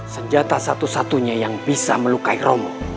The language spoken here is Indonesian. senjata satu satunya yang bisa melukai romo